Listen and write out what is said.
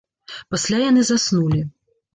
Пасля яны заснулі